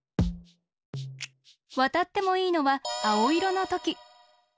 わたってもいいのはあおいろのとき。